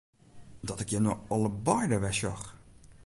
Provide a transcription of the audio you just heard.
Dat ik jim no allebeide wer sjoch!